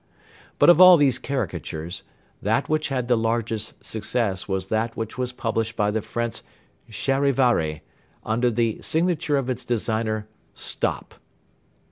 But of all these caricatures, that which had the largest success was that which was published by the French Charivari, under the signature of its designer, "Stop."